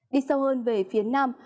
đi sâu hơn về phía nam